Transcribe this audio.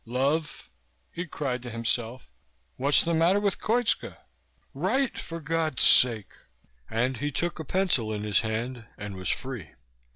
"Love," he cried to himself, "what's the matter with Koitska? Write, for God's sake!" And he took a pencil in his hand and was free.